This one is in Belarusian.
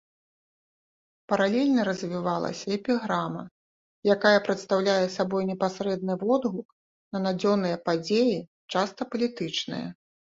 Паралельна развівалася эпіграма, якая прадстаўляе сабой непасрэдны водгук на надзённыя падзеі, часта палітычныя.